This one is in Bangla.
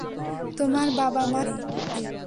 তোমার বাবা-মা কী করে?